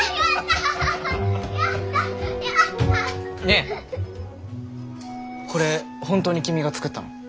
ねえこれ本当に君が作ったの？